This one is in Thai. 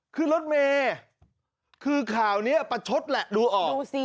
ขึ้นรถเมคือข่าวนี้เปล่าชดแหละดูออก